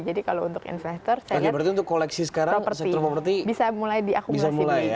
jadi kalau untuk investor saya lihat properti bisa mulai di akumulasi